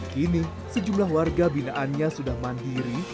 kini sejumlah warga binaannya sudah mandiri